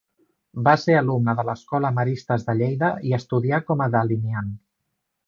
Va ser alumne de l'Escola Maristes de Lleida i estudià com a delineant.